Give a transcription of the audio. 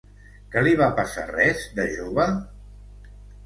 ¿Que li va passar res, de jove?